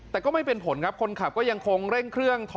แต่ก็ไม่เป็นผลครับคนขับก็ยังคงเร่งเครื่อง